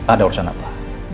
ada urusan apa